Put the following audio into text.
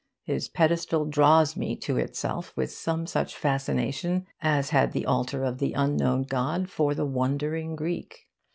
His pedestal draws me to itself with some such fascination as had the altar of the unknown god for the wondering Greek.